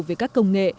về các công nghệ